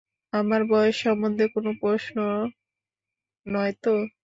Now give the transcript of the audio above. আমার বয়স সম্বন্ধে কোনো প্রশ্ন নয় তো?